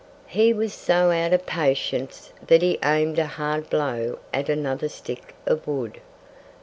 He was so out of patience that he aimed a hard blow at another stick of wood.